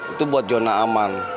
itu buat zona aman